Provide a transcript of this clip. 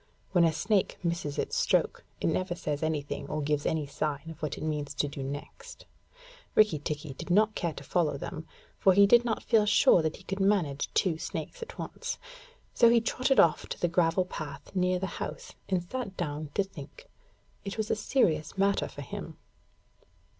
When a snake misses its stroke, it never says anything or gives any sign of what it means to do next. Rikki tikki did not care to follow them, for he did not feel sure that he could manage two snakes at once. So he trotted off to the gravel path near the house, and sat down to think. It was a serious matter for him.